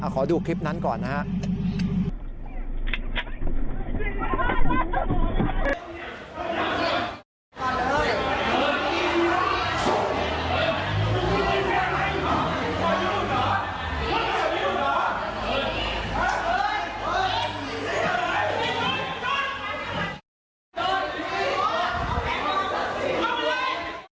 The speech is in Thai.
ขอดูคลิปนั้นก่อนนะครับ